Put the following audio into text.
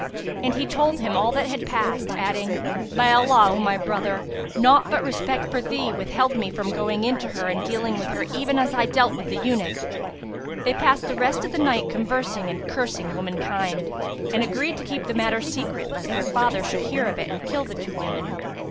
And he told him all that had passed, adding, "By Allah, O my brother, naught but respect for thee withheld me from going in to her and dealing with her even as I dealt with the eunuch!" They passed the rest of the night conversing and cursing womankind, and agreed to keep the matter secret, lest their father should hear of it and kill the two women.